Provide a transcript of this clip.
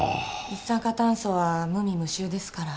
一酸化炭素は無味無臭ですから。